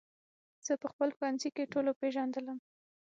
زه په خپل ښوونځي کې ټولو پېژندلم